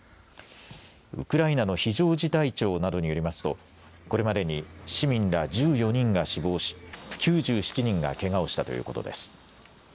ウクライナの非常事態庁などによりますと、これまでに市民ら１４人が死亡し、９７人がけがをしたということです。